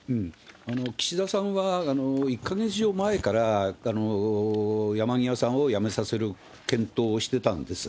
岸田さんは、１か月以上前から山際さんを辞めさせる検討をしてたんです。